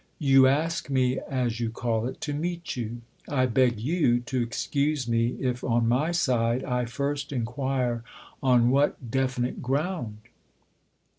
" You ask me, as you call it, to meet you. I beg you to excuse me if on my side I first inquire on what definite ground